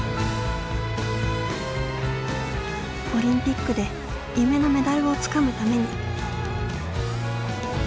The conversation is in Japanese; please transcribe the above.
オリンピックで夢のメダルをつかむために。